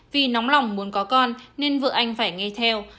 vì nóng lòng muốn có con nên vợ anh phải nghe theo